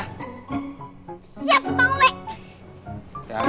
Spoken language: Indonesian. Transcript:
siap pak ube